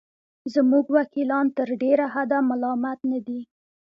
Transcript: زموږ وکیلان تر ډېره حده ملامت نه دي.